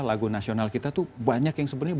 lagu nasional kita tuh banyak yang sebenarnya